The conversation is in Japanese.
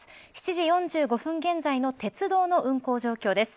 ７時４５分現在の鉄道の運行状況です。